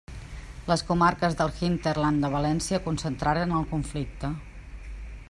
Les comarques del hinterland de València concentraren el conflicte.